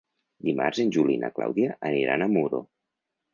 Dimarts en Juli i na Clàudia aniran a Muro.